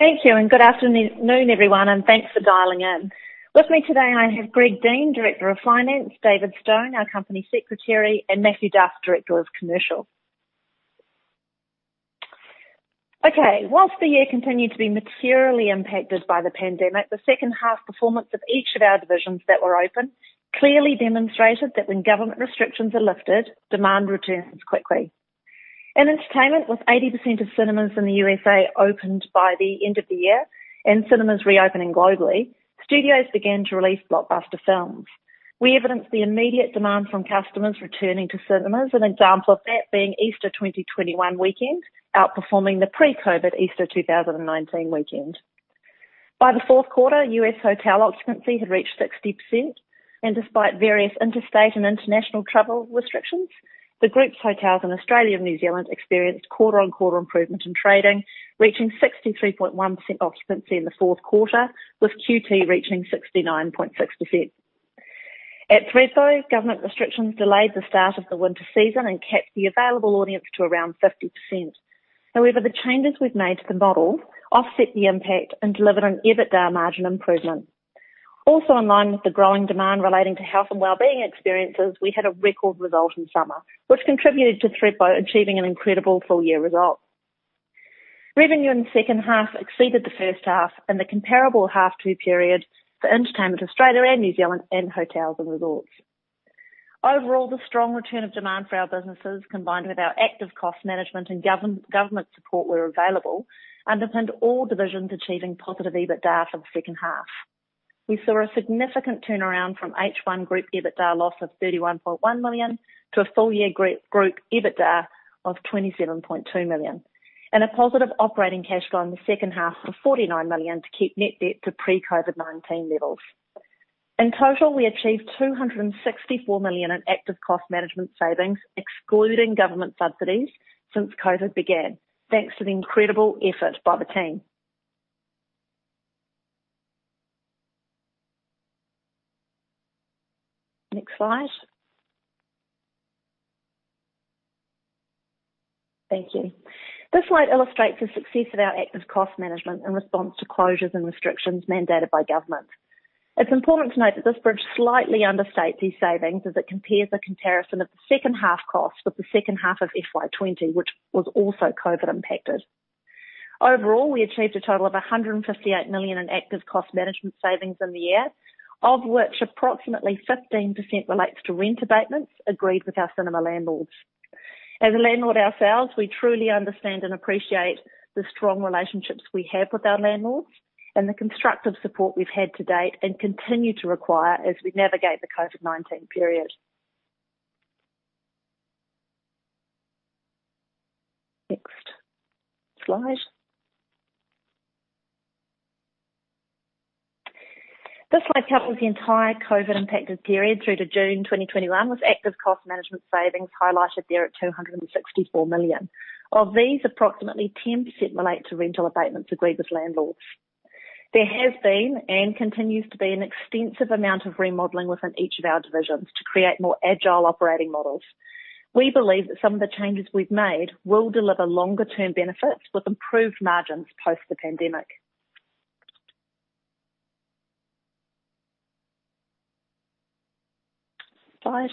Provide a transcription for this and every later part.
Thank you, and good afternoon, everyone, and thanks for dialing in. With me today, I have Greg Dean, Director of Finance; David Stone, our Company Secretary; and Mathew Duff, Director of Commercial. Okay. While the year continued to be materially impacted by the pandemic, the second-half performance of each of our divisions that were open clearly demonstrated that when government restrictions are lifted, demand returns quickly. In entertainment, with 80% of cinemas in the U.S. opened by the end of the year and cinemas reopening globally, studios began to release blockbuster films. We evidenced the immediate demand from customers returning to cinemas, an example of that being Easter 2021 weekend outperforming the pre-COVID Easter 2019 weekend. By the fourth quarter, U.S. hotel occupancy had reached 60%, and despite various interstate and international travel restrictions, the group's hotels in Australia and New Zealand experienced quarter-on-quarter improvement in trading, reaching 63.1% occupancy in the fourth quarter with QT reaching 69.6%. At Thredbo, government restrictions delayed the start of the winter season and capped the available audience to around 50%. However, the changes we've made to the model offset the impact and delivered an EBITDA margin improvement. Also in line with the growing demand relating to health and well-being experiences, we had a record result in summer, which contributed to Thredbo achieving an incredible full-year result. Revenue in the second half exceeded the first half in the comparable half-two period for Entertainment Australia and New Zealand and Hotels and Resorts. Overall, the strong return of demand for our businesses, combined with our active cost management and government support where available, underpinned all divisions achieving positive EBITDA for the second half. We saw a significant turnaround from H1 group EBITDA loss of 31.1 million to a full-year group EBITDA of 27.2 million and a positive operating cash flow in the second half of 49 million to keep net debt at pre-COVID-19 levels. In total, we achieved 264 million in active cost management savings, excluding government subsidies, since COVID began, thanks to the incredible effort by the team. Next slide. Thank you. This slide illustrates the success of our active cost management in response to closures and restrictions mandated by governments. It's important to note that this bridge slightly understates these savings as it compares a comparison of the second half costs with the second half of FY 2020, which was also COVID-impacted. Overall, we achieved a total of 158 million in active cost management savings in the year, of which approximately 15% relates to rent abatements agreed with our cinema landlords. As landlords ourselves, we truly understand and appreciate the strong relationships we have with our landlords and the constructive support we've had to date and continue to require as we navigate the COVID-19 period. Next slide. This slide covers the entire COVID-impacted period through to June 2021, with active cost management savings highlighted there at 264 million. Of these, approximately 10% relate to rental abatements agreed with landlords. There has been and continues to be an extensive amount of remodeling within each of our divisions to create more agile operating models. We believe that some of the changes we've made will deliver longer-term benefits with improved margins post the pandemic. Slide.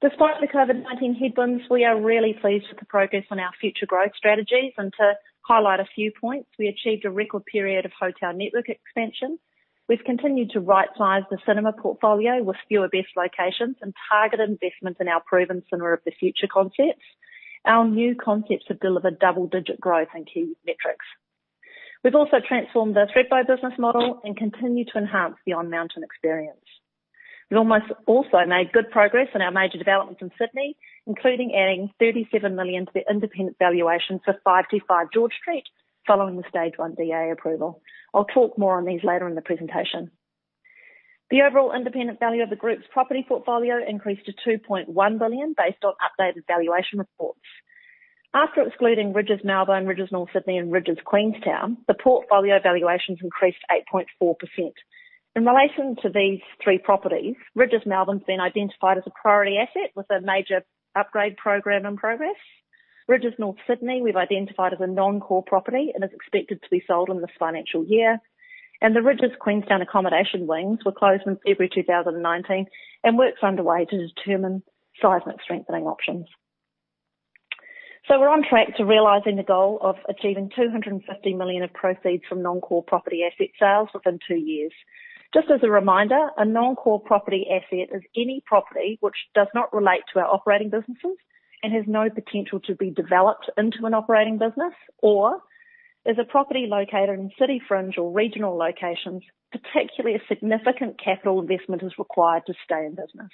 Despite the COVID-19 headwinds, we are really pleased with the progress on our future growth strategies. To highlight a few points, we achieved a record period of hotel network expansion. We've continued to rightsize the cinema portfolio with fewer best locations and targeted investments in our proven Cinema of the Future concepts. Our new concepts have delivered double-digit growth and key metrics. We've also transformed the Thredbo business model and continue to enhance the on-mountain experience. We've also made good progress on our major developments in Sydney, including adding 37 million to the independent valuation for 525 George Street following the Stage 1 DA approval. I'll talk more on these later in the presentation. The overall independent value of the group's property portfolio increased to 2.1 billion based on updated valuation reports. After excluding Rydges Melbourne, Rydges North Sydney, and Rydges Queenstown, the portfolio valuations increased 8.4%. In relation to these three properties, Rydges Melbourne's been identified as a priority asset with a major upgrade program in progress. Rydges North Sydney we've identified as a non-core property and is expected to be sold in this financial year. The Rydges Queenstown accommodation wings were closed in February 2019, and work is underway to determine seismic strengthening options. We're on track to realizing the goal of achieving 250 million of proceeds from non-core property asset sales within two years. Just as a reminder, a non-core property asset is any property that does not relate to our operating businesses and has no potential to be developed into an operating business, or is a property located in city fringe or regional locations, particularly if a significant capital investment is required to stay in business.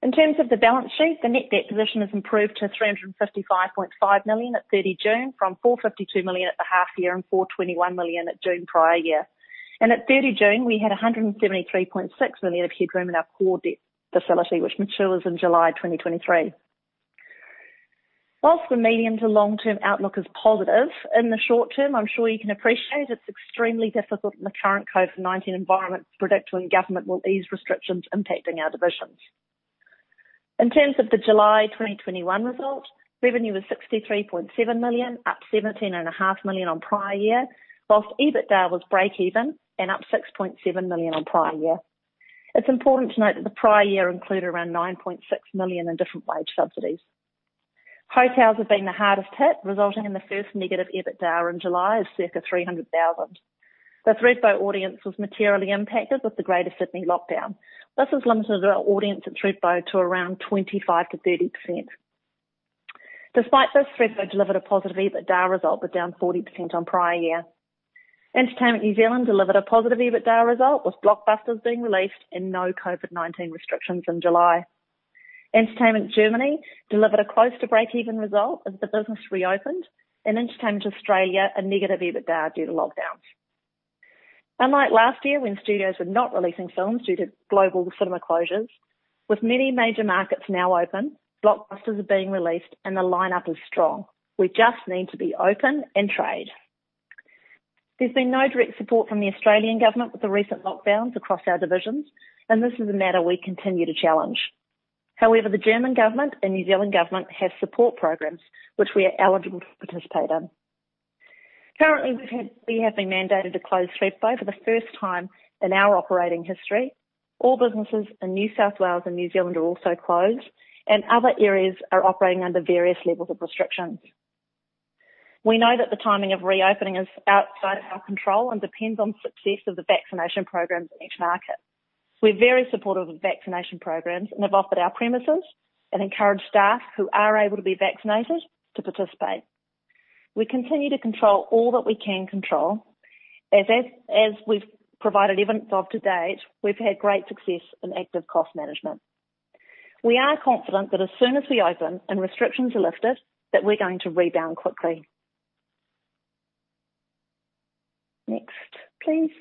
In terms of the balance sheet, the net debt position has improved to 355.5 million at 30 June from 452 million at the half year and 421 million at June prior year. At 30 June, we had 173.6 million of headroom in our core debt facility, which matures in July 2023. While the medium- to long-term outlook is positive, in the short term, I'm sure you can appreciate it's extremely difficult in the current COVID-19 environment to predict when governments will ease restrictions impacting our divisions. In terms of the July 2021 result, revenue was 63.7 million, up 17.5 million on prior year, whilst EBITDA was breakeven and up 6.7 million on prior year. It's important to note that the prior year included around 9.6 million in different wage subsidies. Hotels have been the hardest hit, resulting in the first negative EBITDA in July of circa 300,000. The Thredbo audience was materially impacted with the greater Sydney lockdown. This has limited our audience at Thredbo to around 25%-30%. Despite this, Thredbo delivered a positive EBITDA result, but down 40% on prior year. Entertainment New Zealand delivered a positive EBITDA result with blockbusters being released and no COVID-19 restrictions in July. Entertainment Germany delivered a close to breakeven result as the business reopened, Entertainment Australia a negative EBITDA due to lockdowns. Unlike last year, when studios were not releasing films due to global cinema closures, with many major markets now open, blockbusters are being released, and the lineup is strong. We just need to be open and trade. There's been no direct support from the Australian government with the recent lockdowns across our divisions, and this is a matter we continue to challenge. However, the German government and New Zealand government have support programs that we are eligible to participate in. Currently, we have been mandated to close Thredbo for the first time in our operating history. All businesses in New South Wales and New Zealand are also closed, and other areas are operating under various levels of restrictions. We know that the timing of reopening is outside our control and depends on the success of the vaccination programs in each market. We're very supportive of vaccination programs and have offered our premises and encourage staff who are able to be vaccinated to participate. We continue to control all that we can control. As we've provided evidence of to date, we've had great success in active cost management. We are confident that as soon as we open and restrictions are lifted, we're going to rebound quickly. Next,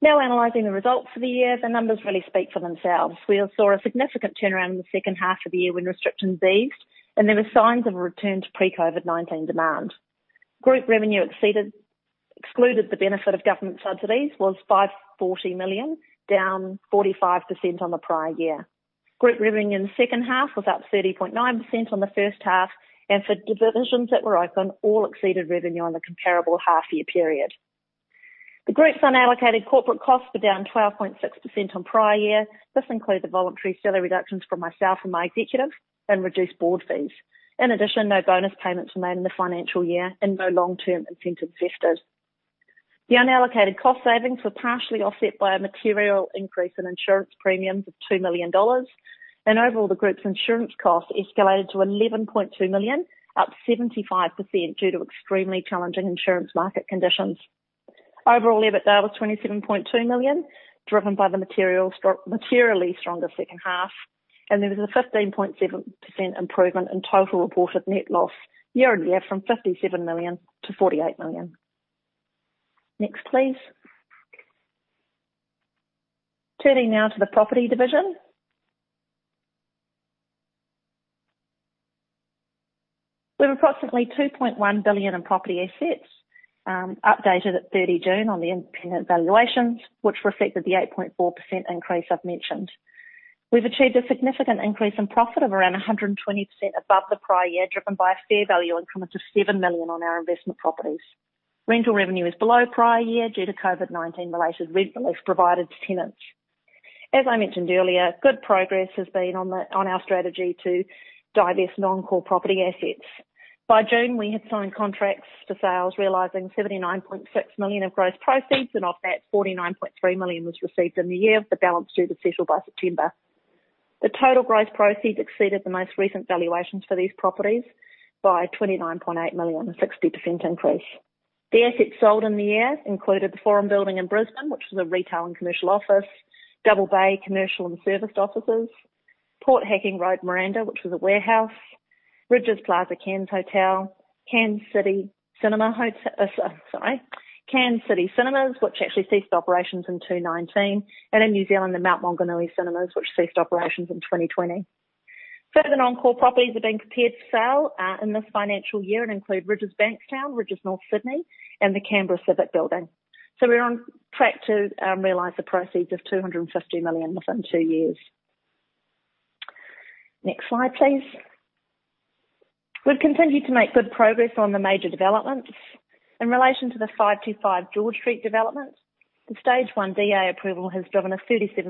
please. Now analyzing the results for the year, the numbers really speak for themselves. We all saw a significant turnaround in the second half of the year when restrictions eased and there were signs of a return to pre-COVID-19 demand. Group revenue, excluding the benefit of government subsidies, was 540 million, down 45% on the prior year. Group revenue in the second half was up 30.9% on the first half. For divisions that were open, all exceeded revenue in the comparable half-year period. The group's unallocated corporate costs were down 12.6% on prior year. This included voluntary salary reductions from myself and my executives and reduced board fees. In addition, no bonus payments were made in the financial year, and no long-term incentive vested. The unallocated cost savings were partially offset by a material increase in insurance premiums of 2 million dollars. Overall, the group's insurance costs escalated to 11.2 million, up 75%, due to extremely challenging insurance market conditions. Overall, EBITDA was 27.2 million, driven by the materially stronger second half. There was a 15.7% improvement in total reported net loss year on year from 57 million to 48 million. Next, please. Turning now to the property division. We have approximately 2.1 billion in property assets, updated at 30 June on the independent valuations, which reflected the 8.4% increase I've mentioned. We've achieved a significant increase in profit of around 120% above the prior year, driven by a fair value increment of 7 million on our investment properties. Rental revenue is below prior year due to COVID-19-related rent relief provided to tenants. As I mentioned earlier, good progress has been on our strategy to divest non-core property assets. By June, we had signed contracts for sales realizing 79.6 million of gross proceeds. Of that, 49.3 million was received in the year, with the balance due to settle by September. The total gross proceeds exceeded the most recent valuations for these properties by 29.8 million, a 60% increase. The assets sold in the year included The Forum Building in Brisbane, which was a retail and commercial office; Double Bay commercial and serviced offices, Port Hacking Road, Miranda, which was a warehouse; Rydges Plaza Cairns Hotel; and Cairns City Cinemas, which actually ceased operations in 2019, and in New Zealand, the Mount Maunganui Cinemas, which ceased operations in 2020. Further non-core properties are being prepared to sell in this financial year and include Rydges Bankstown, Rydges North Sydney, and the Canberra Civic building. We're on track to realize the proceeds of 250 million within two years. Next slide, please. We've continued to make good progress on the major developments. In relation to the 525 George Street development, the Stage 1 DA approval has driven actually more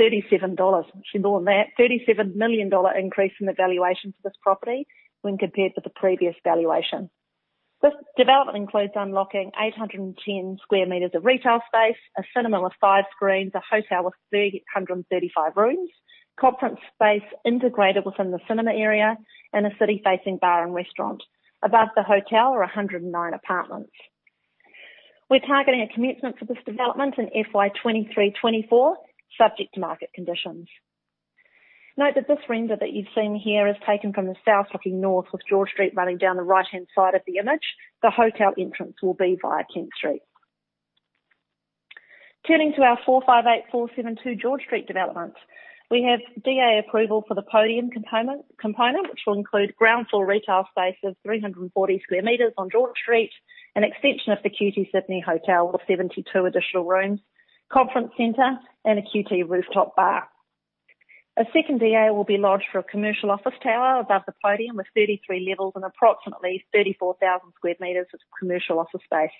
than that: a $37 million increase in the valuation for this property when compared with the previous valuation. This development includes unlocking 810 sq m of retail space, a cinema with five screens, a hotel with 335 rooms, conference space integrated within the cinema area, and a city-facing bar and restaurant. Above the hotel are 109 apartments. We're targeting a commencement for this development in FY 2023/2024, subject to market conditions. Note that this render that you've seen here is taken from the south looking north, with George Street running down the right-hand side of the image. The hotel entrance will be via King Street. Turning to our 458, 472 George Street developments. We have DA approval for the podium component, which will include ground floor retail space of 340 sq m on George Street, an extension of the QT Sydney Hotel with 72 additional rooms, a conference center, and a QT rooftop bar. A second DA will be lodged for a commercial office tower above the podium with 33 levels and approximately 34,000 sq m of commercial office space.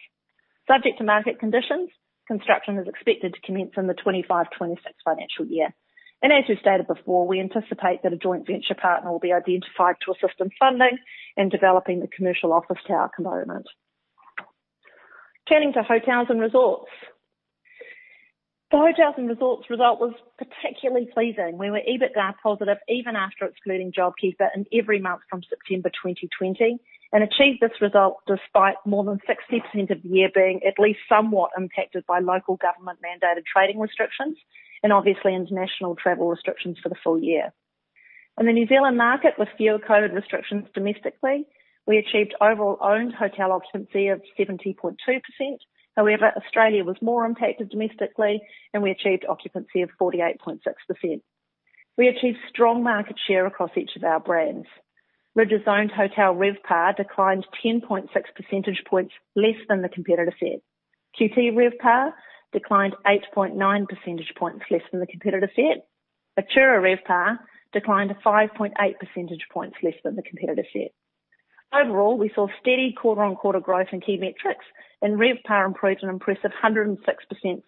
Subject to market conditions, construction is expected to commence in the 2025/2026 financial year. As we've stated before, we anticipate that a joint venture partner will be identified to assist in funding and developing the commercial office tower component. Turning to hotels and resorts. The hotels' and resorts' results were particularly pleasing. We were EBITDA positive even after excluding JobKeeper in every month from September 2020 and achieved this result despite more than 60% of the year being at least somewhat impacted by local government-mandated trading restrictions and obviously international travel restrictions for the full year. In the New Zealand market with fewer COVID restrictions domestically, we achieved overall owned hotel occupancy of 70.2%. However, Australia was more impacted domestically, and we achieved occupancy of 48.6%. We achieved strong market share across each of our brands. Rydges-owned hotel RevPAR declined 10.6 percentage points less than the competitor set. QT RevPAR declined 8.9 percentage points less than the competitor set. Atura RevPAR declined 5.8 percentage points less than the competitor set. Overall, we saw steady quarter-on-quarter growth in key metrics, and RevPAR improved an impressive 106%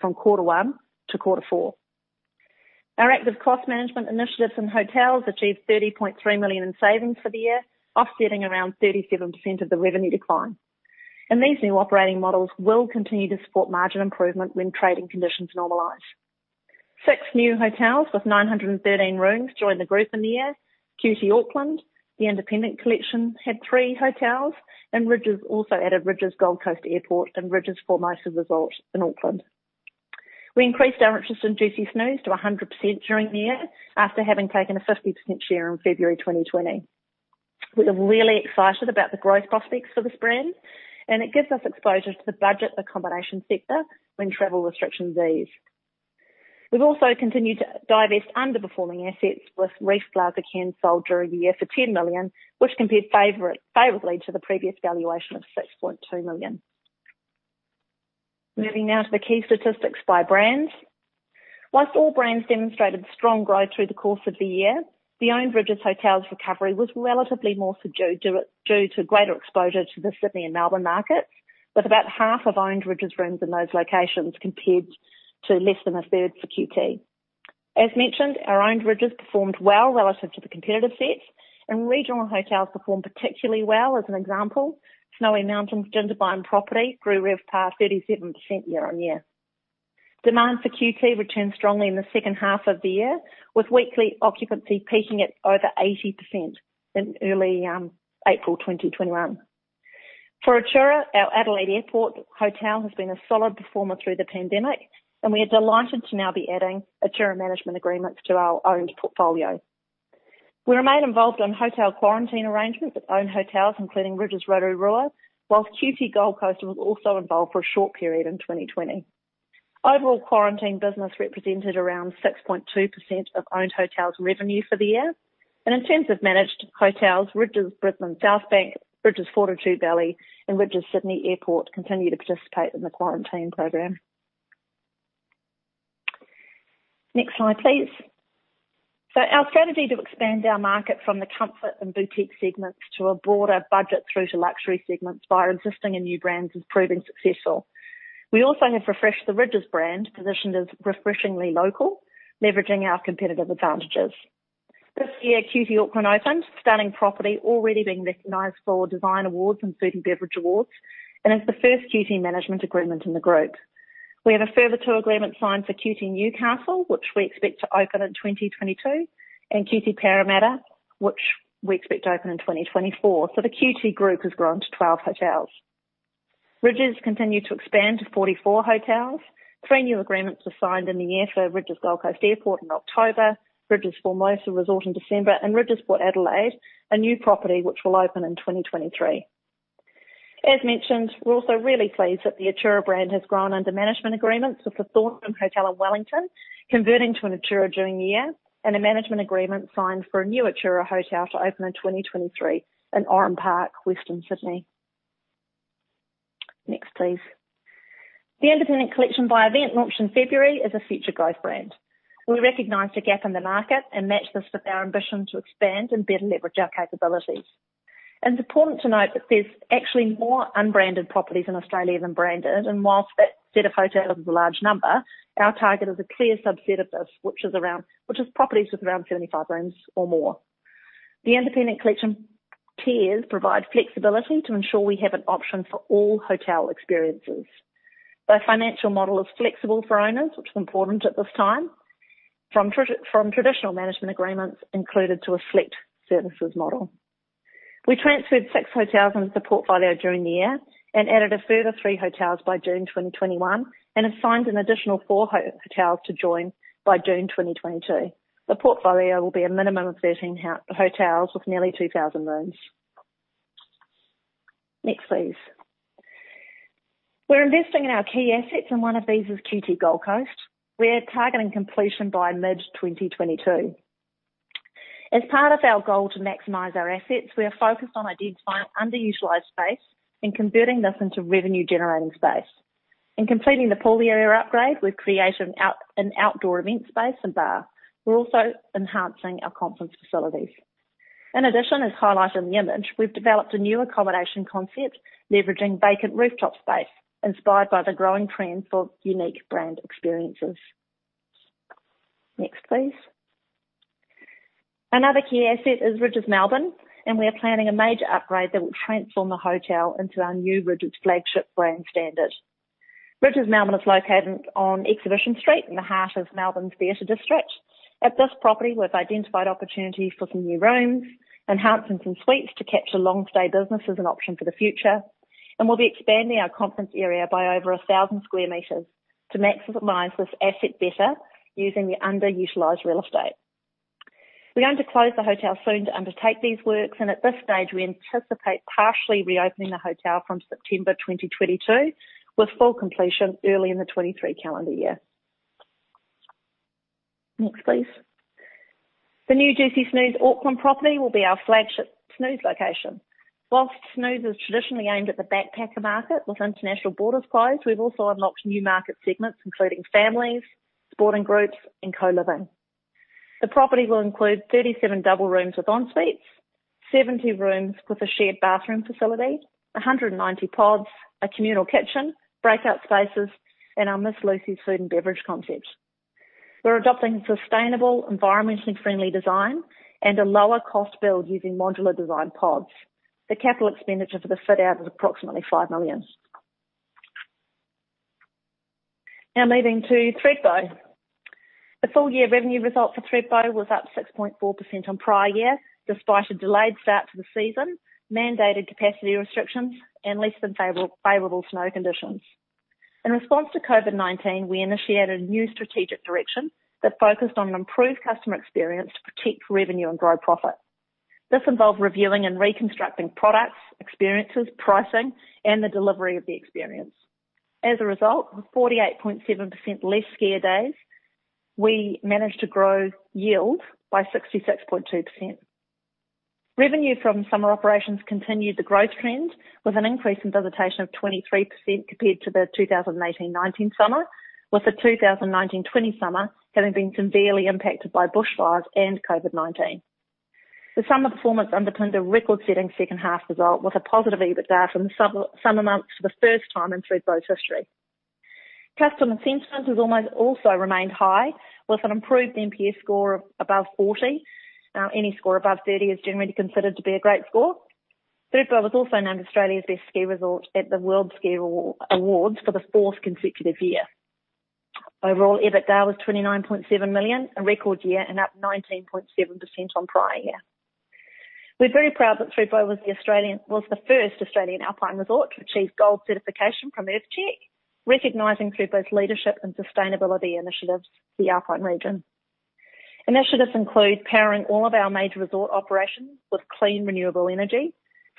from quarter one to quarter four. Our active cost management initiatives in hotels achieved 30.3 million in savings for the year, offsetting around 37% of the revenue decline. These new operating models will continue to support margin improvement when trading conditions normalize. Six new hotels with 913 rooms joined the group in the year. QT Auckland, The Independent Collection, had three hotels, and Rydges also added Rydges Gold Coast Airport and Rydges Formosa Golf Resort in Auckland. We increased our interest in JUCY Snooze to 100% during the year after having taken a 50% share in February 2020. We are really excited about the growth prospects for this brand, and it gives us exposure to the budget accommodation sector when travel restrictions ease. We've also continued to divest underperforming assets, with The Reef Hotel Casino sold during the year for 10 million, which compared favorably to the previous valuation of 6.2 million. Moving now to the key statistics by brands. Whilst all brands demonstrated strong growth through the course of the year, the owned Rydges Hotels recovery was relatively more subdued due to greater exposure to the Sydney and Melbourne markets, with about half of owned Rydges rooms in those locations, compared to less than a third for QT. As mentioned, our owned Rydges performed well relative to the competitive sets, and regional hotels performed particularly well. As an example, Snowy Mountains Jindabyne property grew RevPAR 37% year-on-year. Demand for QT returned strongly in the second half of the year, with weekly occupancy peaking at over 80% in early April 2021. For Atura, our Adelaide Airport Hotel has been a solid performer through the pandemic, and we are delighted to now be adding Atura management agreements to our owned portfolio. We remain involved in hotel quarantine arrangements with our own hotels, including Rydges Rotorua, whilst QT Gold Coast was also involved for a short period in 2020. Overall, quarantine business represented around 6.2% of owned hotels' revenue for the year. In terms of managed hotels, Rydges Brisbane South Bank, Rydges Fortitude Valley, and Rydges Sydney Airport continue to participate in the quarantine program. Next slide, please. Our strategy to expand our market from the comfort and boutique segments to a broader budget through to luxury segments via existing and new brands is proving successful. We also have refreshed the Rydges brand, positioned as refreshingly local, leveraging our competitive advantages. This year, QT Auckland opened. Stunning property, already being recognized for design awards and food and beverage awards, and is the first QT management agreement in the group. We have a further two agreements signed for QT Newcastle, which we expect to open in 2022, and QT Parramatta, which we expect to open in 2024. The QT group has grown to 12 hotels. Rydges continued to expand to 44 hotels. Three new agreements were signed in the year for Rydges Gold Coast Airport in October, Rydges Formosa Golf Resort in December, and Rydges Port Adelaide, a new property that will open in 2023. As mentioned, we are also really pleased that the Atura brand has grown under management agreements with the Thorndon Hotel in Wellington converting to an Atura during the year and a management agreement signed for a new Atura hotel to open in 2023 in Oran Park, Western Sydney. Next, please. The Independent Collection by EVT launched in February is a future growth brand. We recognized a gap in the market and matched this with our ambition to expand and better leverage our capabilities. It's important to note that there are actually more unbranded properties in Australia than branded, and while that set of hotels is a large number, our target is a clear subset of this, which is properties with around 75 rooms or more. The Independent Collection tiers provide flexibility to ensure we have an option for all hotel experiences. Their financial model is flexible for owners, which is important at this time. From traditional management agreements to a select services model. We transferred six hotels into the portfolio during the year and added a further three hotels by June 2021 and have signed an additional four hotels to join by June 2022. The portfolio will be a minimum of 13 hotels with nearly 2,000 rooms. Next, please. We're investing in our key assets, and one of these is QT Gold Coast. We're targeting completion by mid-2022. As part of our goal to maximize our assets, we are focused on identifying underutilized space and converting this into revenue-generating space. In completing the pool area upgrade, we've created an outdoor event space and bar. We're also enhancing our conference facilities. In addition, as highlighted in the image, we've developed a new accommodation concept leveraging vacant rooftop space, inspired by the growing trend for unique brand experiences. Next, please. Another key asset is Rydges Melbourne, and we are planning a major upgrade that will transform the hotel into our new Rydges flagship brand standard. Rydges Melbourne is located on Exhibition Street in the heart of Melbourne's theater district. At this property, we've identified opportunities for some new rooms, enhancing some suites to capture long-stay business as an option for the future, and we'll be expanding our conference area by over 1,000 sq m to maximize this asset better using the underutilized real estate. We're going to close the hotel soon to undertake these works. At this stage, we anticipate partially reopening the hotel from September 2022 with full completion early in the 2023 calendar year. Next, please. The new JUCY Snooze Auckland property will be our flagship Snooze location. While Snooze is traditionally aimed at the backpacker market, with international borders closed, we've also unlocked new market segments, including families, sporting groups, and co-living. The property will include 37 double rooms with ensuites, 70 rooms with a shared bathroom facility, 190 pods, a communal kitchen, breakout spaces, and our Miss Lucy's food and beverage concept. We're adopting sustainable, environmentally friendly design and a lower-cost build using modular design pods. The capital expenditure for the fit-out is approximately 5 million. Now moving to Thredbo. The full-year revenue result for Thredbo was up 6.4% on prior year, despite a delayed start to the season, mandated capacity restrictions, and less than favorable snow conditions. In response to COVID-19, we initiated a new strategic direction that focused on an improved customer experience to protect revenue and grow profit. This involved reviewing and reconstructing products, experiences, pricing, and the delivery of the experience. As a result, with 48.7% less skier days, we managed to grow yield by 66.2%. Revenue from summer operations continued the growth trend with an increase in visitation of 23% compared to the 2018-2019 summer, with the 2019-2020 summer having been severely impacted by bushfires and COVID-19. The summer performance underpinned a record-setting second-half result with a positive EBITDA from the summer months for the first time in Thredbo's history. Customer sentiment has also remained high with an improved NPS score of above 40. Any score above 30 is generally considered to be a great score. Thredbo was also named Australia's best ski resort at the World Ski Awards for the fourth consecutive year. Overall, EBITDA was 29.7 million, a record year, and up 19.7% on prior year. We're very proud that Thredbo was the first Australian alpine resort to achieve gold certification from EarthCheck, recognizing Thredbo's leadership and sustainability initiatives for the alpine region. Initiatives include powering all of our major resort operations with clean, renewable energy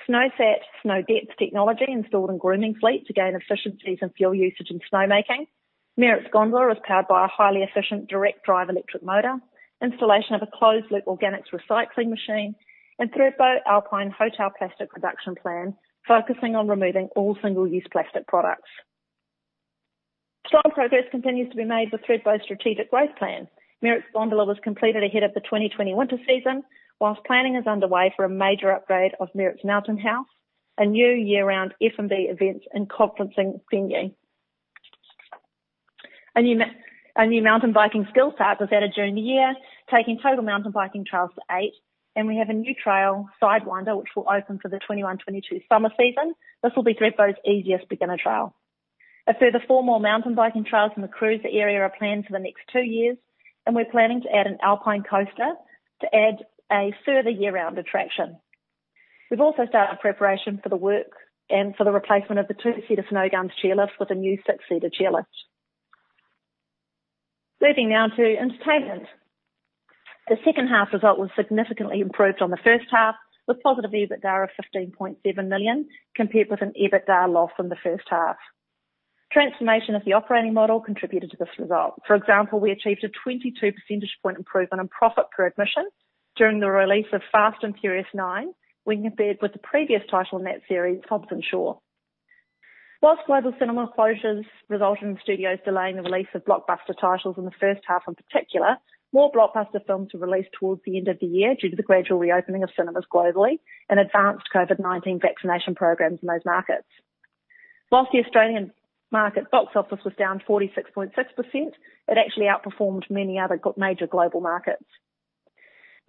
and SNOWsat, snow depth technology installed in grooming fleet to gain efficiencies in fuel usage and snowmaking. Merritts Gondola is powered by a highly efficient direct-drive electric motor. Installation of a closed-loop organics recycling machine. Thredbo Alpine Hotel plastic reduction plan, focusing on removing all single-use plastic products. Strong progress continues to be made with Thredbo's strategic growth plan. Merritts Gondola was completed ahead of the 2020 winter season, while planning is underway for a major upgrade of Merritts Mountain House, a new year-round F&B, events, and conferencing venue. A new mountain biking skills park was added during the year, taking total mountain biking trails to eight, and we have a new trail, Sidewinder, which will open for the 2021-2022 summer season. This will be Thredbo's easiest beginner trail. Four more mountain biking trails in the cruiser area are planned for the next two years, and we're planning to add an alpine coaster to add a further year-round attraction. We've also started preparation for the work and for the replacement of the two-seater Snowgums chairlift with a new six-seater chairlift. Moving now to entertainment. The second-half result was significantly improved on the first half, with positive EBITDA of 15.7 million, compared with an EBITDA loss in the first half. Transformation of the operating model contributed to this result. For example, we achieved a 22 percentage point improvement in profit per admission during the release of Fast & Furious 9 when compared with the previous title in that series, Hobbs & Shaw. While global cinema closures resulted in studios delaying the release of blockbuster titles in the first half in particular, more blockbuster films were released towards the end of the year due to the gradual reopening of cinemas globally and advanced COVID-19 vaccination programs in those markets. The Australian market box office was down 46.6%; it actually outperformed many other major global markets.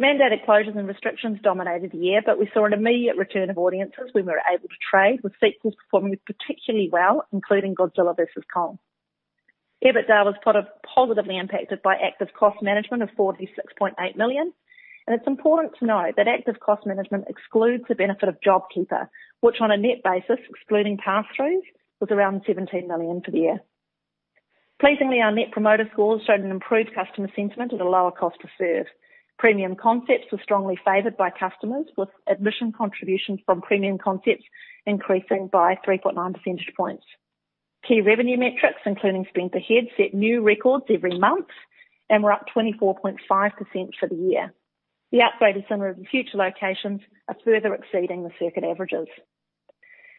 Mandated closures and restrictions dominated the year; we saw an immediate return of audiences when we were able to trade, with sequels performing particularly well, including Godzilla vs. Kong. EBITDA was positively impacted by active cost management of 46.8 million. It's important to note that active cost management excludes the benefit of JobKeeper, which on a net basis, excluding pass-throughs, was around 17 million for the year. Pleasingly, our net promoter scores showed an improved customer sentiment at a lower cost to serve. Premium concepts were strongly favored by customers, with admission contributions from premium concepts increasing by 3.9 percentage points. Key revenue metrics, including spend per head, set new records every month and were up 24.5% for the year. The upgraded Cinema of the Future locations are further exceeding the circuit averages.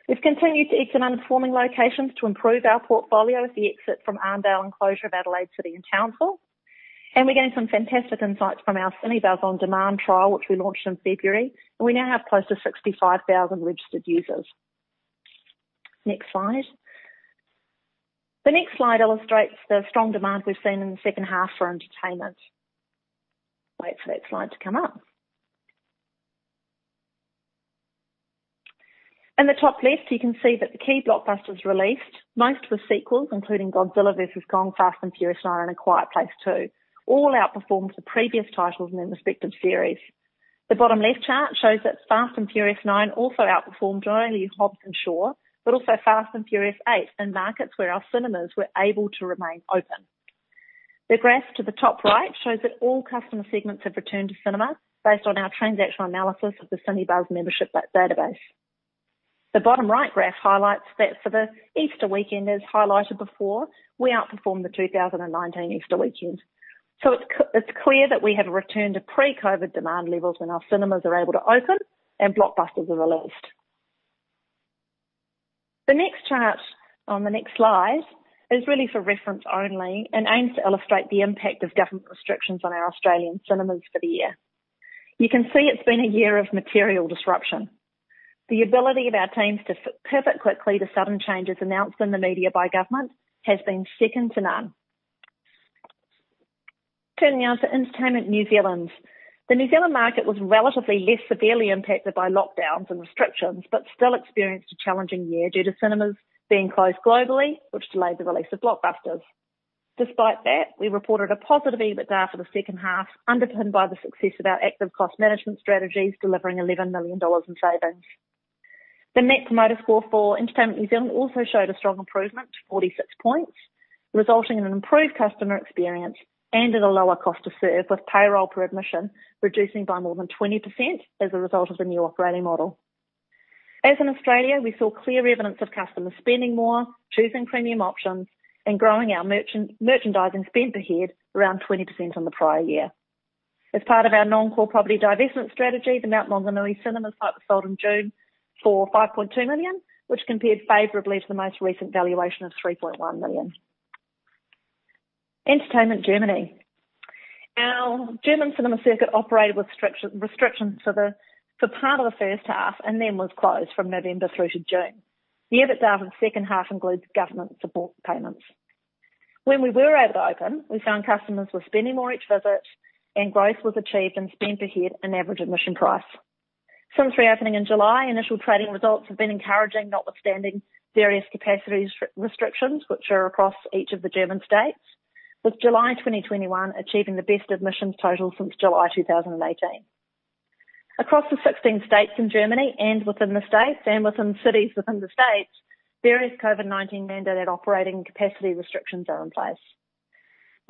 We've continued to exit underperforming locations to improve our portfolio with the exit from Hindley and Close of Adelaide City and Townsville. We're getting some fantastic insights from our Cinebuzz on-demand trial, which we launched in February, and we now have close to 65,000 registered users. Next slide. The next slide illustrates the strong demand we've seen in the second half for entertainment. Wait for that slide to come up. In the top left, you can see the key blockbusters released; most were sequels, including "Godzilla vs. Kong," "Fast & Furious 9," and "A Quiet Place 2." All outperformed the previous titles in their respective series. The bottom left chart shows that "Fast & Furious 9" also outperformed not only "Hobbs & Shaw," but also "Fast & Furious 8" in markets where our cinemas were able to remain open. The graph to the top right shows that all customer segments have returned to cinema based on our transactional analysis of the Cinebuzz membership database. The bottom right graph highlights that for the Easter weekend, as highlighted before, we outperformed the 2019 Easter weekend. It's clear that we have returned to pre-COVID demand levels when our cinemas are able to open and blockbusters are released. The next chart on the next slide is really for reference only and aims to illustrate the impact of government restrictions on our Australian cinemas for the year. You can see it's been a year of material disruption. The ability of our teams to pivot quickly to sudden changes announced in the media by government has been second to none. Turning now to Entertainment New Zealand. The New Zealand market was relatively less severely impacted by lockdowns and restrictions but still experienced a challenging year due to cinemas being closed globally, which delayed the release of blockbusters. Despite that, we reported a positive EBITDA for the second half, underpinned by the success of our active cost management strategies, delivering 11 million dollars in savings. The net promoter score for Entertainment New Zealand also showed a strong improvement, 46 points, resulting in an improved customer experience and at a lower cost to serve, with payroll per admission reducing by more than 20% as a result of the new operating model. As in Australia, we saw clear evidence of customers spending more, choosing premium options, and growing our merchandising spend per head around 20% on the prior year. As part of our non-core property divestment strategy, the Mount Maunganui Cinemas site was sold in June for AU$5.2 million, which compared favorably to the most recent valuation of AU$3.1 million. Entertainment Germany. Our German cinema circuit operated with restrictions for part of the first half and then was closed from November through to June. The EBITDA for the second half includes government support payments. When we were able to open, we found customers were spending more each visit, and growth was achieved in spend per head and average admission price. Since reopening in July, initial trading results have been encouraging, notwithstanding various capacity restrictions that are across each of the German states, with July 2021 achieving the best admissions total since July 2018. Across the 16 states in Germany and within the states and within cities within the states, various COVID-19 mandated operating capacity restrictions are in place.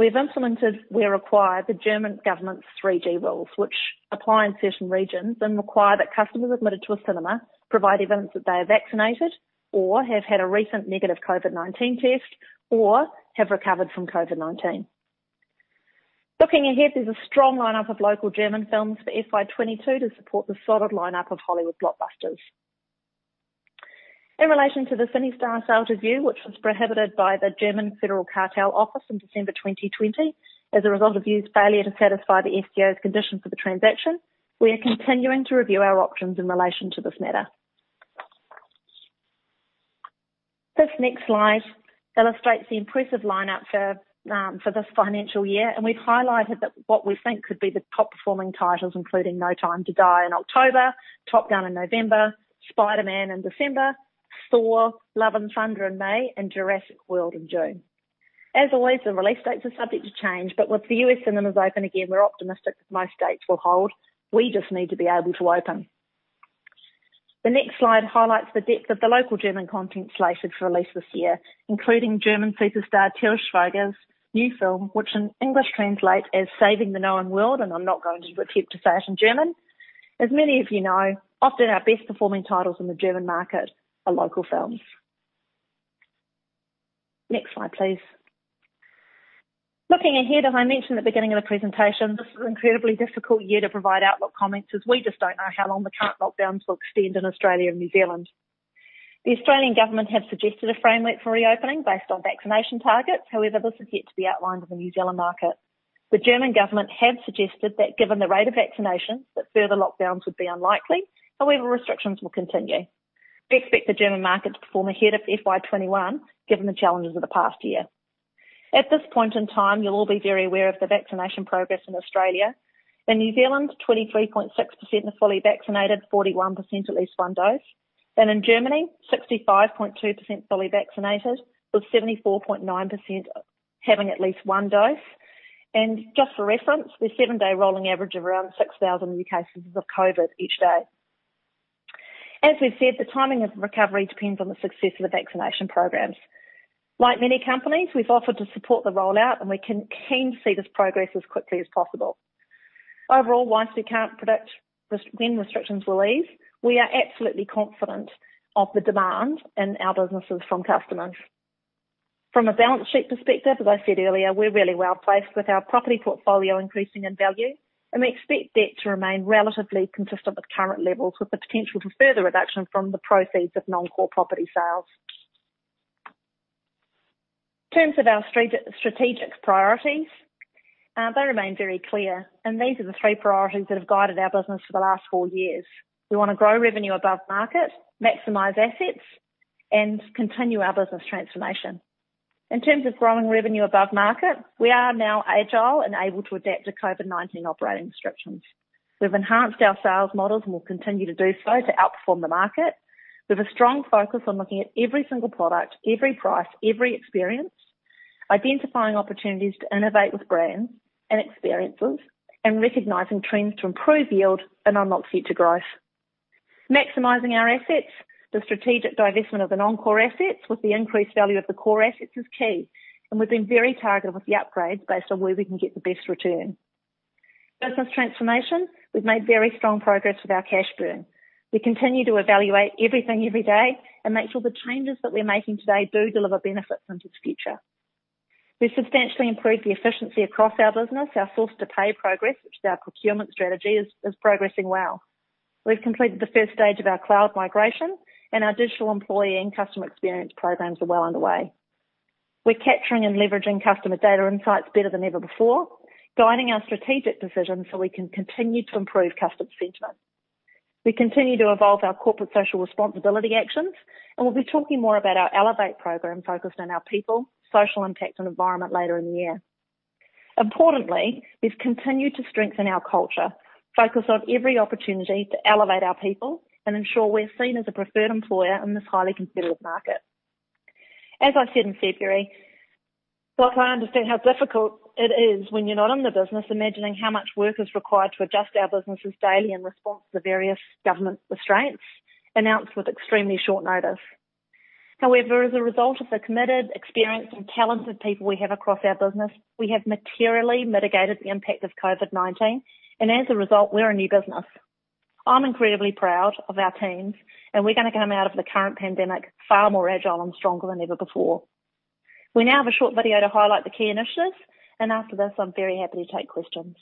We have implemented, where required, the German government's 3G rules, which apply in certain regions and require that customers admitted to a cinema provide evidence that they are vaccinated or have had a recent negative COVID-19 test or have recovered from COVID-19. Looking ahead, there's a strong lineup of local German films for FY 2022 to support the solid lineup of Hollywood blockbusters. In relation to the CineStar sale review, which was prohibited by the German Federal Cartel Office in December 2020 as a result of Vue's failure to satisfy the FCO's condition for the transaction, we are continuing to review our options in relation to this matter. This next slide illustrates the impressive lineup for this financial year, and we've highlighted what we think could be the top-performing titles, including "No Time to Die" in October, "Top Gun" in November, "Spider-Man" in December, "Thor: Love and Thunder" in May, and "Jurassic World" in June. As always, the release dates are subject to change, but with the U.S. cinemas open again, we're optimistic that most dates will hold. We just need to be able to open. The next slide highlights the depth of the local German content slated for release this year, including German superstar Til Schweiger's new film, which in English translates as "Saving the Known World," and I'm not going to attempt to say it in German. As many of you know, often our best-performing titles in the German market are local films. Next slide, please. Looking ahead, as I mentioned at the beginning of the presentation, this is an incredibly difficult year to provide outlook comments, as we just don't know how long the current lockdowns will extend in Australia and New Zealand. The Australian government has suggested a framework for reopening based on vaccination targets. This is yet to be outlined in the New Zealand market. The German government has suggested that given the rate of vaccinations, that further lockdowns would be unlikely. Restrictions will continue. We expect the German market to perform ahead of FY 2021, given the challenges of the past year. At this point in time, you'll all be very aware of the vaccination progress in Australia. In New Zealand, 23.6% are fully vaccinated, 41% at least one dose, and in Germany, 65.2% are fully vaccinated, with 74.9% having at least one dose. Just for reference, there's a seven-day rolling average of around 6,000 new cases of COVID each day. As we've said, the timing of recovery depends on the success of the vaccination programs. Like many companies, we've offered to support the rollout, and we're keen to see this progress as quickly as possible. Overall, while we can't predict when restrictions will ease, we are absolutely confident of the demand in our businesses from customers. From a balance sheet perspective, as I said earlier, we're really well-placed with our property portfolio increasing in value, and we expect debt to remain relatively consistent with current levels, with the potential for further reduction from the proceeds of non-core property sales. In terms of our strategic priorities, they remain very clear, and these are the three priorities that have guided our business for the last four years. We want to grow revenue above market, maximize assets, and continue our business transformation. In terms of growing revenue above market, we are now agile and able to adapt to COVID-19 operating restrictions. We've enhanced our sales models and will continue to do so to outperform the market. We have a strong focus on looking at every single product, every price, every experience, identifying opportunities to innovate with brands and experiences, and recognizing trends to improve yield and unlock future growth. Maximizing our assets, the strategic divestment of the non-core assets with the increased value of the core assets is key, and we've been very targeted with the upgrades based on where we can get the best return. Business transformation: We've made very strong progress with our cash burn. We continue to evaluate everything every day and make sure the changes that we're making today do deliver benefits into the future. We've substantially improved the efficiency across our business. Our source-to-pay progress, which is our procurement strategy, is progressing well. We've completed the first stage of our cloud migration, and our digital employee and customer experience programs are well underway. We're capturing and leveraging customer data insights better than ever before, guiding our strategic decisions so we can continue to improve customer sentiment. We continue to evolve our corporate social responsibility actions, and we'll be talking more about our ELEVATE program focused on our people, social impact, and environment later in the year. Importantly, we've continued to strengthen our culture, focus on every opportunity to elevate our people, and ensure we're seen as a preferred employer in this highly competitive market. As I said in February, I understand how difficult it is when you're not in the business, imagining how much work is required to adjust our businesses daily in response to various government restraints announced with extremely short notice. However, as a result of the committed, experienced, and talented people we have across our business, we have materially mitigated the impact of COVID-19, and as a result, we're a new business. I'm incredibly proud of our teams, and we're going to come out of the current pandemic far more agile and stronger than ever before. We now have a short video to highlight the key initiatives, and after this, I'm very happy to take questions.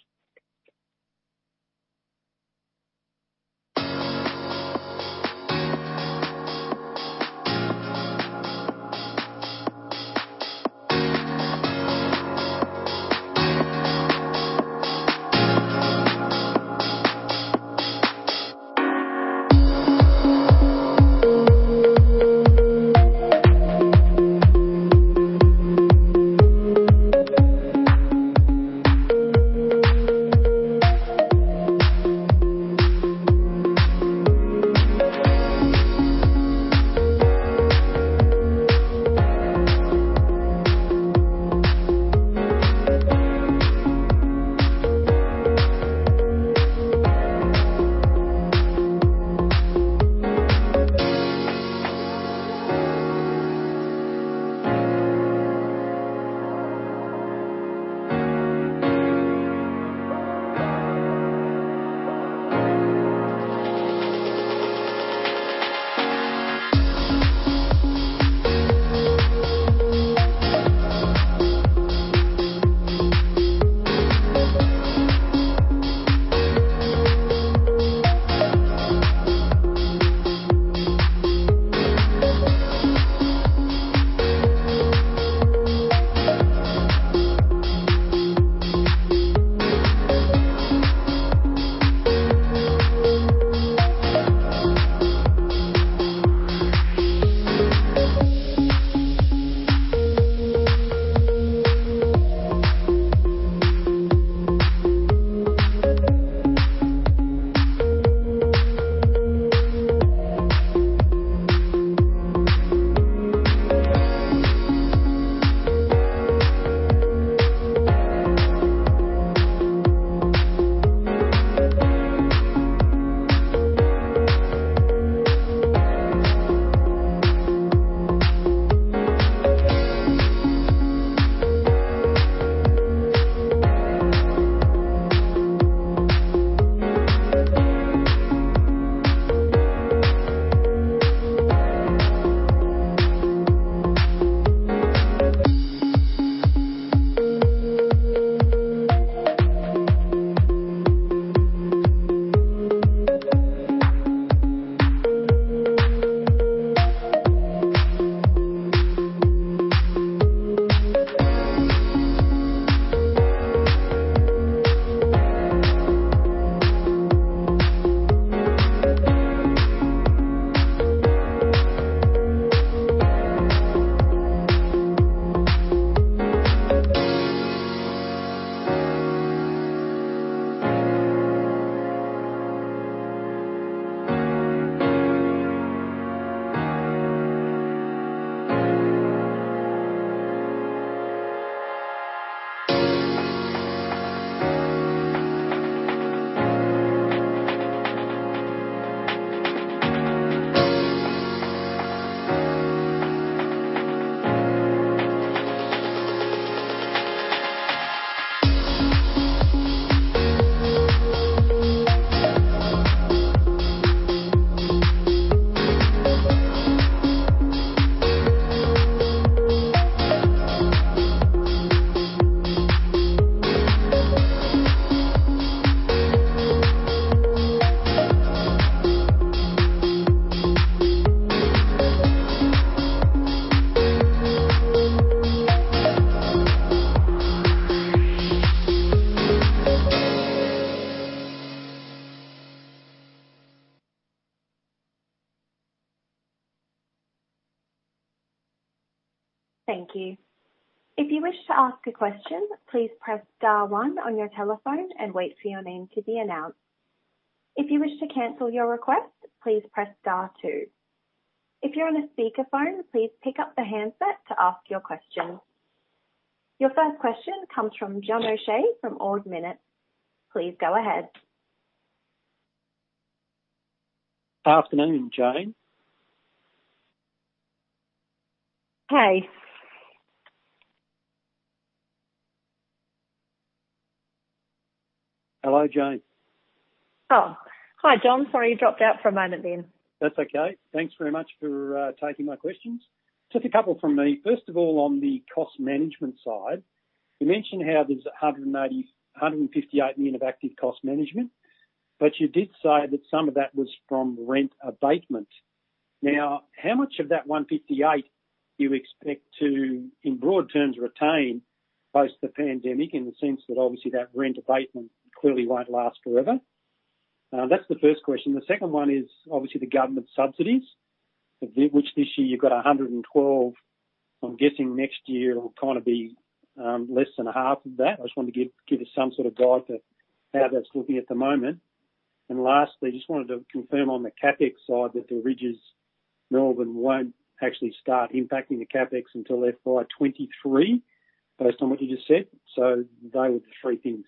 Thank you. If you wish to ask a question, please press star one on your telephone and wait for your name to be announced. If you wish to cancel your request, please press star two. If you're on a speakerphone, please pick up the handset to ask your question. Your first question comes from John O'Shea from Ord Minnett. Please go ahead. Afternoon, Jane. Hi. Hello, Jane. Oh, hi, John. Sorry, you dropped out for a moment then. That's okay. Thanks very much for taking my questions. Just a couple from me. First of all, on the cost management side, you mentioned how there's 158 million of active cost management, but you did say that some of that was from rent abatement. How much of that 158 million do you expect to, in broad terms, retain post-pandemic in the sense that obviously that rent abatement clearly won't last forever? That's the first question. The second one is obviously the government subsidies, for which this year you've got 112 million. I'm guessing next year it will be less than half of that. I just wanted to give us some sort of guide to how that's looking at the moment. Lastly, I just wanted to confirm on the CapEx side that the Rydges Melbourne won't actually start impacting the CapEx until FY 2023, based on what you just said. Those were the three things.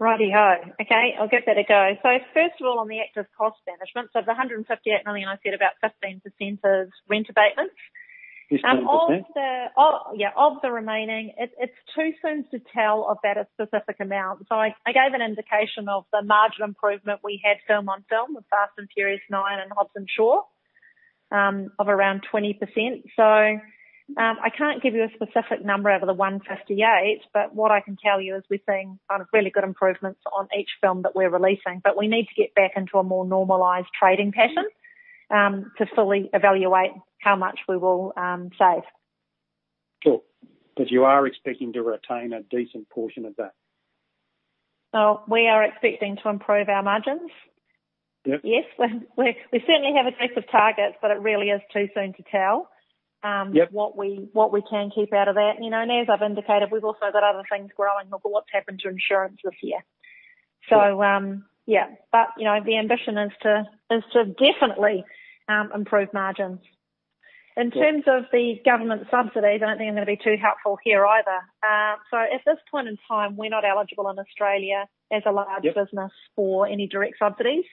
Righty-ho. Okay, I'll give that a go. First of all, on the active cost management, the 158 million I said about 15% rent abatement. 15%? Of the remaining, it's too soon to tell about a specific amount. I gave an indication of the margin improvement we had film on film with "Fast & Furious 9" and "Hobbs & Shaw" of around 20%. I can't give you a specific number out of the 158 million, but what I can tell you is we're seeing really good improvements on each film that we're releasing. We need to get back into a more normalized trading pattern, to fully evaluate how much we will save. Sure. You are expecting to retain a decent portion of that? Well, we are expecting to improve our margins. Yep. Yes. We certainly have aggressive targets. It really is too soon to tell. Yep what we can keep out of that. As I've indicated, we've also got other things growing. Look at what's happened to insurance this year. Yeah. The ambition is to definitely improve margins. Yeah. In terms of the government subsidies, I don't think I'm going to be too helpful here either. At this point in time, we're not eligible in Australia as a large- Yep business for any direct subsidies.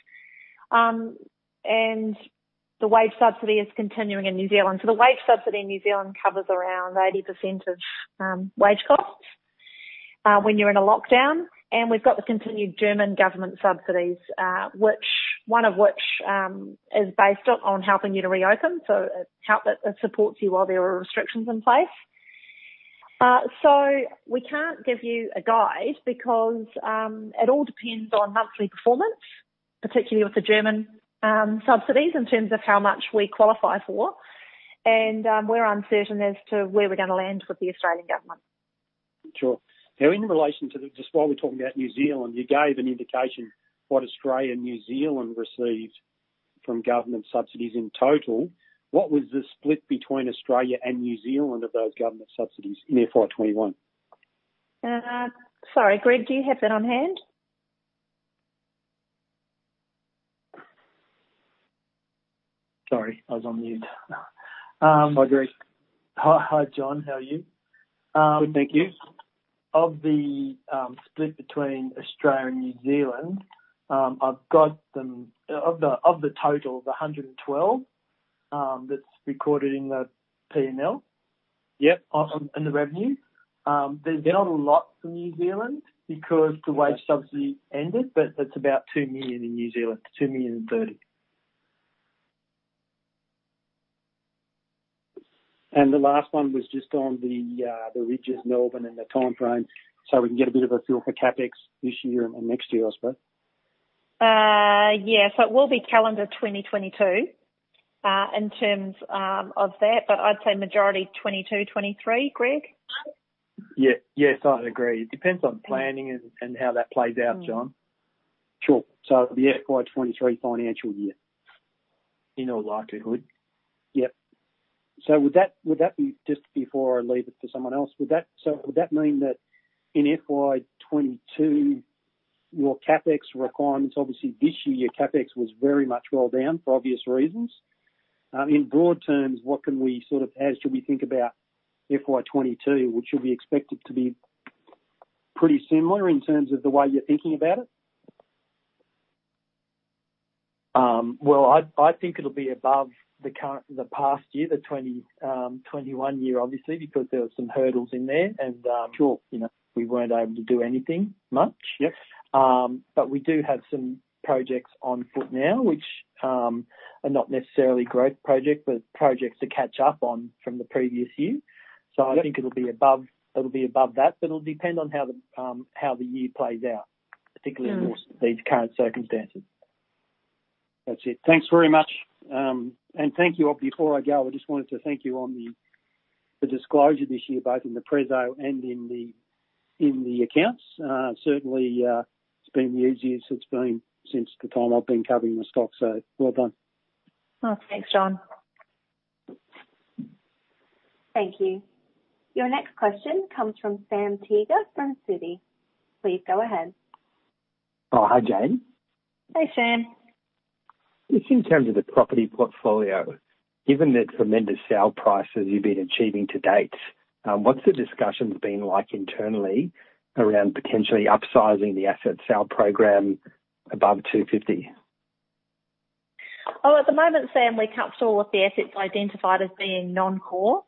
The wage subsidy is continuing in New Zealand. The wage subsidy in New Zealand covers around 80% of wage costs when you're in a lockdown. We've got the continued German government subsidies, one of which is based on helping you to reopen. It supports you while there are restrictions in place. We can't give you a guide because it all depends on monthly performance, particularly with the German subsidies, in terms of how much we qualify for. We're uncertain as to where we're going to land with the Australian government. Sure. In relation to this, while we're talking about New Zealand, you gave an indication of what Australia and New Zealand received from government subsidies in total. What was the split between Australia and New Zealand of those government subsidies in FY 2021? Sorry, Greg, do you have that on hand? Sorry, I was on mute. Hi, Greg. Hi, John. How are you? Good, thank you. Of the split between Australia and New Zealand, of the total of the 112 million that's recorded in the P&L. Yep In the revenue, there's not a lot from New Zealand because the wage subsidy ended, but it's about 2 million in New Zealand, 2.3 million. The last one was just on the Rydges Melbourne and the timeframe, so we can get a bit of a feel for CapEx this year and next year, I suppose. Yeah. It will be calendar 2022, in terms of that, but I'd say majority 2022, 2023. Greg? Yes, I'd agree. It depends on planning and how that plays out, John. Sure. The FY 2023 financial year? In all likelihood. Yep. Would that be, just before I leave it to someone else, would that mean that in FY 2022, your CapEx requirements, obviously this year your CapEx was very much rolled down for obvious reasons? In broad terms, what can we sort of, how should we think about FY 2022? Would you be expected to be pretty similar in terms of the way you're thinking about it? Well, I think it'll be above the past year, the 2021 year, obviously, because there were some hurdles in there. Sure We weren't able to do anything much. Yes. We do have some projects on foot now, which are not necessarily growth projects but projects to catch up on from the previous year. Yep. I think it'll be above that, but it'll depend on how the year plays out, particularly in these current circumstances. That's it. Thanks very much. Thank you all. Before I go, I just wanted to thank you for the disclosure this year, both in the presentation and in the accounts. Certainly, it's been the easiest it's been since the time I've been covering the stock; well done. Oh, thanks, John. Thank you. Your next question comes from Sam Teeger from Citi. Please go ahead. Oh, hi, Jane. Hey, Sam. Just in terms of the property portfolio, given the tremendous sale prices you've been achieving to date, what's the discussion been like internally around potentially upsizing the asset sale program above 250? At the moment, Sam, we're comfortable with the assets identified as being non-core.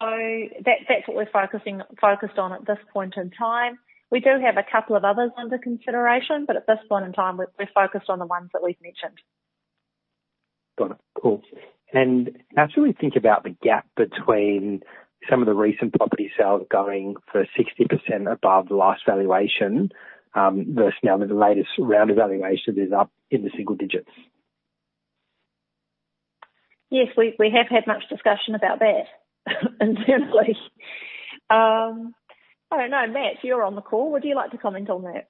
That's what we're focused on at this point in time. We do have a couple of others under consideration, but at this point in time, we're focused on the ones that we've mentioned. Got it. Cool. As we think about the gap between some of the recent property sales going for 60% above the last valuation, versus now with the latest round of valuation up in the single digits. Yes, we have had much discussion about that internally. I don't know, Matt, you're on the call. Would you like to comment on that?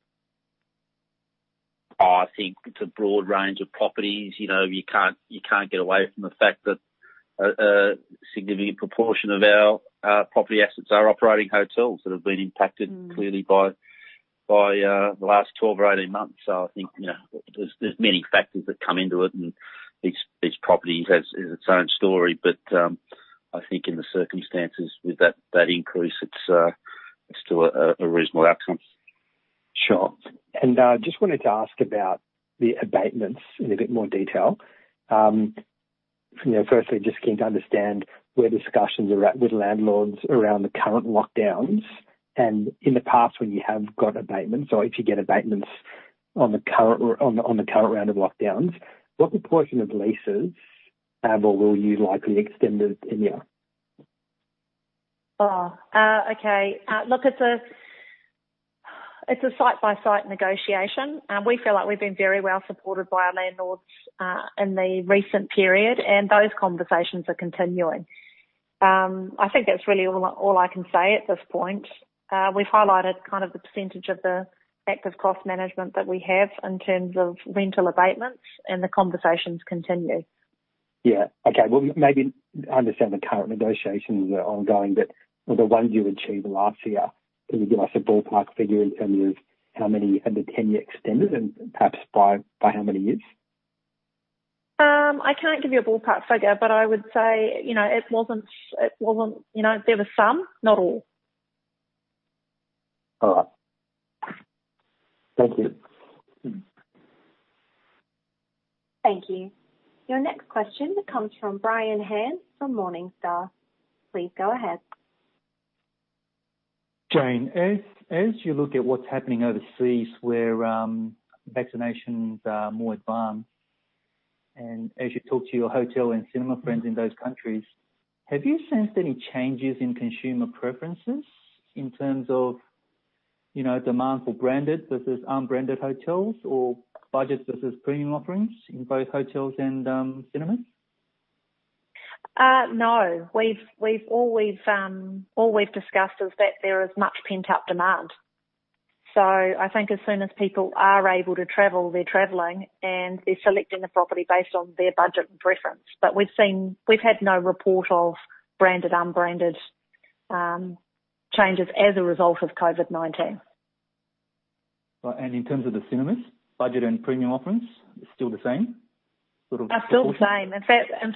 I think it's a broad range of properties. You can't get away from the fact that a significant proportion of our property assets are operating hotels that have been impacted early by the last 12 or 18 months. I think there are many factors that come into it, and each property has its own story. I think in the circumstances with that increase, it's still a reasonable outcome. Sure. I just wanted to ask about the abatements in a bit more detail. Firstly, I'm just keen to understand where discussions are at with landlords around the current lockdowns, and in the past when you have gotten abatements or if you get abatements on the current round of lockdowns, what proportion of leases have you or will you likely extend in a year? Oh, okay. Look, it's a site-by-site negotiation. We feel like we've been very well supported by our landlords in the recent period, and those conversations are continuing. I think that's really all I can say at this point. We've highlighted kind of the percentage of the active cost management that we have in terms of rental abatements, and the conversations continue. Yeah. Okay. Well, maybe I understand the current negotiations are ongoing, but of the ones you achieved last year, can you give us a ballpark figure in terms of how many of the tenures were extended and perhaps by how many years? I can't give you a ballpark figure, but I would say there were some, not all. All right. Thank you. Thank you. Your next question comes from Brian Han from Morningstar. Please go ahead. Jane, as you look at what's happening overseas where vaccinations are more advanced, and as you talk to your hotel and cinema friends in those countries, have you sensed any changes in consumer preferences in terms of demand for branded versus unbranded hotels or budget versus premium offerings in both hotels and cinemas? No. All we've discussed is that there is much pent-up demand. I think as soon as people are able to travel, they're traveling, and they're selecting a property based on their budget and preference. We've had no report of branded/unbranded changes as a result of COVID-19. Right. In terms of the cinemas, budget and premium offerings, it's still the same sort of proportion. Are still the same. In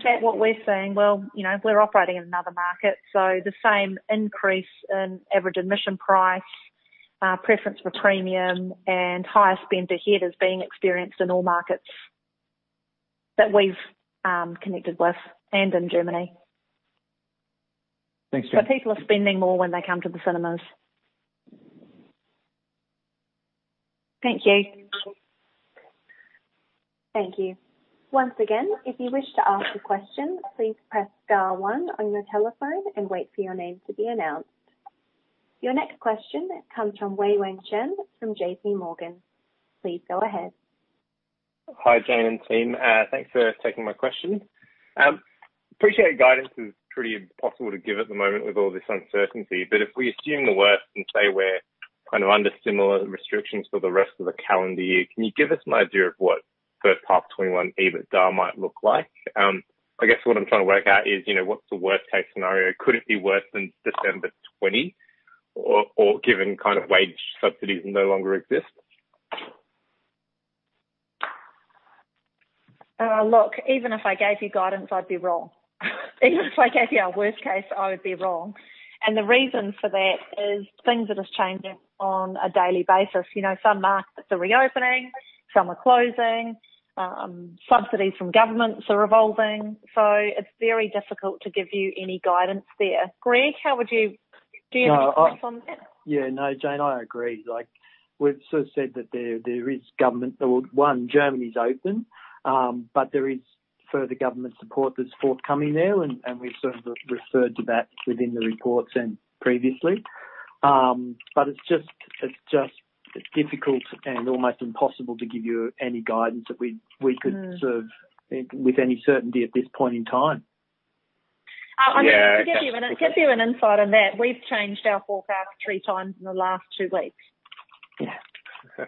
fact, what we're seeing, well, we're operating in another market, so the same increase in average admission price, preference for premium, and higher spend per head is being experienced in all markets that we've connected with and in Germany. Thanks, Jane. People are spending more when they come to the cinemas. Thank you. Thank you. Once again, if you wish to ask a question, please press star one on your telephone and wait for your name to be announced. Your next question comes from Wei-Weng Chen from JPMorgan. Please go ahead. Hi, Jane and team. Thanks for taking my question. Appreciate guidance is pretty impossible to give at the moment with all this uncertainty. If we assume the worst and say we're under similar restrictions for the rest of the calendar year, can you give us an idea of what first half 2021 EBITDA might look like? I guess what I'm trying to work out is what's the worst-case scenario. Could it be worse than December 2020, or given wage subsidies no longer exist? Look, even if I gave you guidance, I'd be wrong. Even if I gave you our worst case, I would be wrong. The reason for that is things are just changing on a daily basis. Some markets are reopening; some are closing. Subsidies from governments are evolving. It's very difficult to give you any guidance there. Greg, do you have any comments on that? No, Jane, I agree. We've sort of said that there is government. Well, one, Germany's open. There is further government support that's forthcoming there, and we've sort of referred to that within the reports and previously. It's difficult and almost impossible to give you any guidance that we could serve with any certainty at this point in time. Yeah. To give you an insight on that, we've changed our forecast 3x in the last two weeks. Yeah.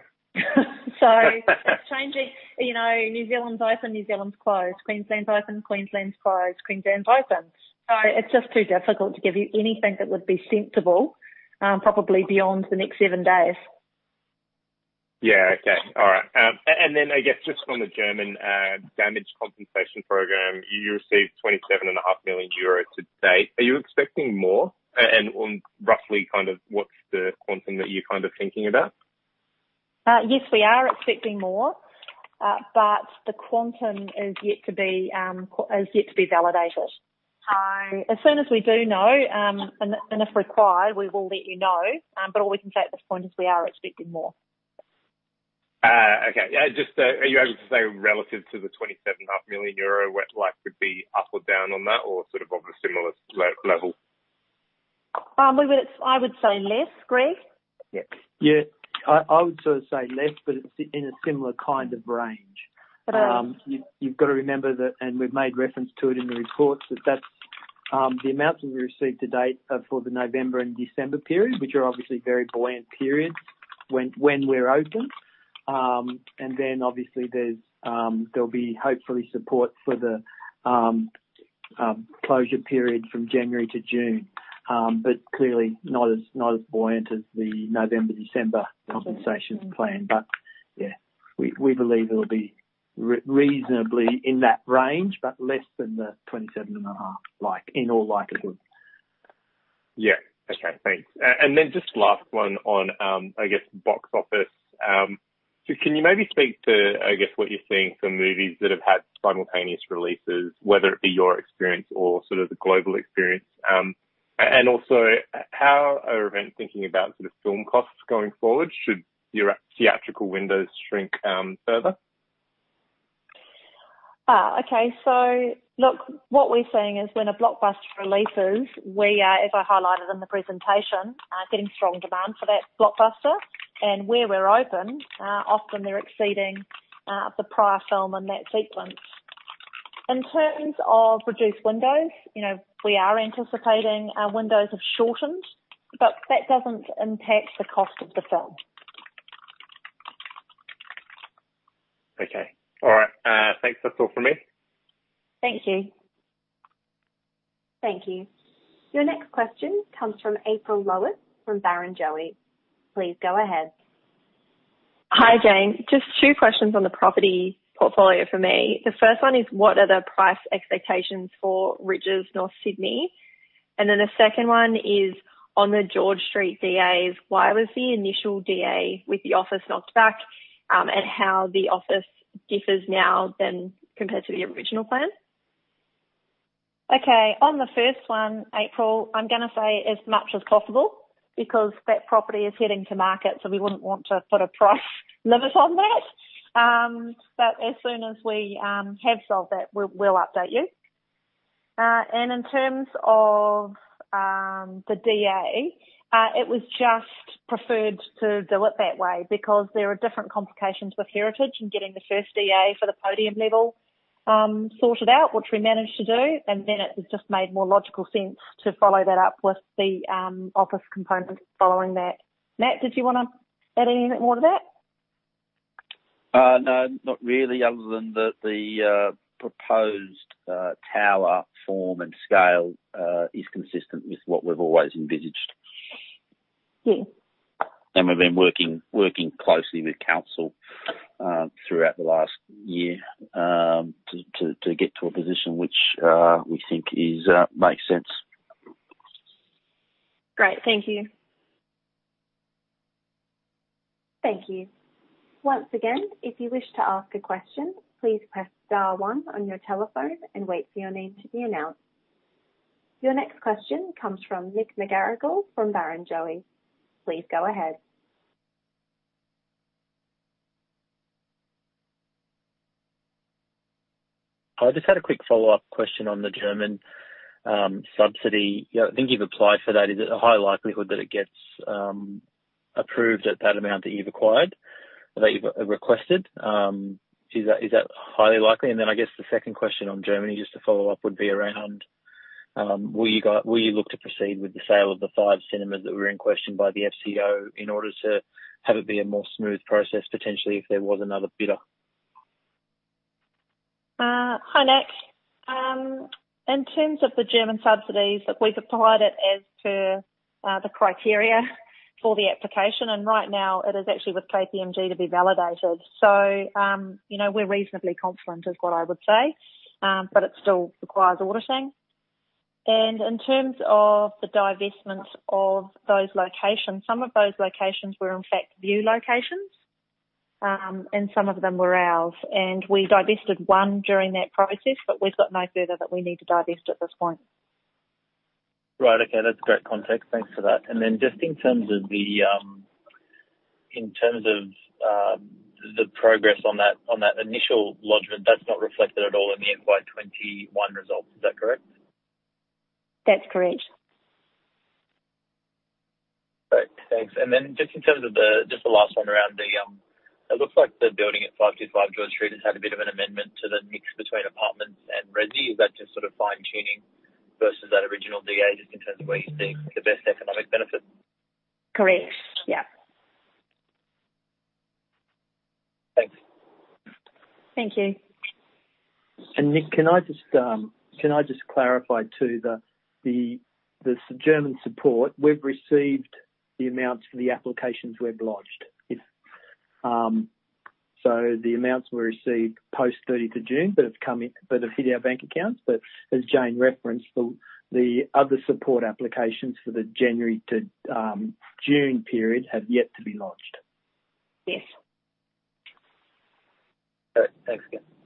It's changing. New Zealand's open; New Zealand's closed. Queensland's open, Queensland's closed, Queensland's open. It's just too difficult to give you anything that would be sensible, probably beyond the next seven days. Yeah. Okay. All right. Then, I guess just on the German damage compensation program. You received 27.5 million euros to date. Are you expecting more? Roughly what's the quantum that you're thinking about? Yes, we are expecting more. The quantum is yet to be validated. As soon as we do know, and if required, we will let you know. All we can say at this point is we are expecting more. Okay. Are you able to say, relative to the 27.5 million euro, what life could be up or down on that or sort of on a similar level? I would say less. Greg? Yeah. I would say less, but it's in a similar kind of range. You've got to remember that, and we've made reference to it in the reports, that the amounts that we received to date are for the November and December period, which are obviously very buoyant periods when we're open. Then obviously, there'll be hopefully support for the closure period from January to June. Clearly not as buoyant as the November and December compensation plan. Yeah, we believe it'll be reasonably in that range, but less than the 27 and a half million, in all likelihood. Yeah. Okay, thanks. Just last one on box office. Can you maybe speak to, I guess, what you're seeing for movies that have had simultaneous releases, whether it be your experience or sort of the global experience? How are Event thinking about film costs going forward? Should your theatrical windows shrink further? Okay. What we're seeing is when a blockbuster releases, we are, as I highlighted in the presentation, getting strong demand for that blockbuster. Where we're open, often they're exceeding the prior film in that sequence. In terms of reduced windows, we are anticipating our windows have shortened, but that doesn't impact the cost of the film. Okay. All right. Thanks. That's all from me. Thank you. Thank you. Your next question comes from April Lowis from Barrenjoey. Please go ahead. Hi, Jane. Just two questions on the property portfolio for me. The first one is, what are the price expectations for Rydges North Sydney? The second one is on the George Street DAs. Why was the initial DA with the office knocked back? How the office differs now compared to the original plan? Okay, on the first one, April, I'm going to say as much as possible because that property is heading to market, so we wouldn't want to put a price limit on that. As soon as we have sold that, we'll update you. In terms of the DA, it was just preferred to do it that way because there are different complications with heritage and getting the first DA for the podium level sorted out, which we managed to do, and then it has just made more logical sense to follow that up with the office component following that. Matt, did you want to add anything more to that? No, not really, other than that the proposed tower form and scale is consistent with what we've always envisaged. Yeah. We've been working closely with council throughout the last year to get to a position which we think makes sense. Great. Thank you. Thank you. Once again, if you wish to ask a question, please press star one on your telephone and wait for your name to be announced. Your next question comes from Nick McGarrigle from Barrenjoey. Please go ahead. I just had a quick follow-up question on the German subsidy. I think you've applied for that. Is it a high likelihood that it gets approved at that amount that you've acquired, that you've requested? Is that highly likely? Then I guess the second question on Germany, just to follow up, would be around will you look to proceed with the sale of the five cinemas that were in question by the FCO in order to have it be a more smooth process, potentially, if there was another bidder? Hi, Nick. In terms of the German subsidies, look, we've applied it as per the criteria for the application, and right now it is actually with KPMG to be validated. We're reasonably confident is what I would say. It still requires auditing. In terms of the divestments of those locations, some of those locations were in fact Vue locations, and some of them were ours. We divested one during that process, but we've got no further that we need to divest at this point. Right. Okay. That's great context. Thanks for that. Just in terms of the progress on that initial lodgement, that's not reflected at all in the FY 2021 results, is that correct? That's correct. Great. Thanks. Then just the last one around the, it looks like the building at 525 George Street has had a bit of an amendment to the mix between apartments and resi. Is that just fine-tuning versus that original DA, just in terms of where you see the best economic benefit? Correct. Yeah. Thanks. Thank you. Nick, can I just clarify too, the German support, we've received the amounts for the applications we've lodged. The amounts were received post 30th of June, but have hit our bank accounts. As Jane referenced, the other support applications for the January to June period have yet to be lodged. Yes. All right. Thanks again.